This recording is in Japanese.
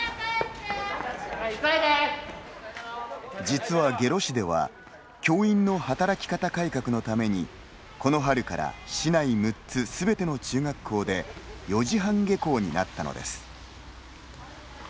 実は、下呂市では教員の働き方改革のためにこの春から市内６つすべての中学校で４時半下校になったのです。